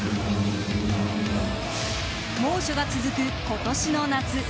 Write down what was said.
猛暑が続く今年の夏